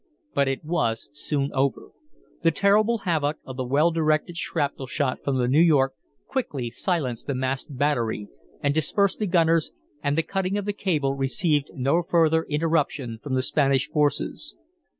But it was soon over. The terrible havoc of the well directed shrapnel shot from the New York quickly silenced the masked battery and dispersed the gunners and the cutting of the cable received no further interruption from the Spanish forces.